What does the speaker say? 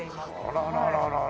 あららら。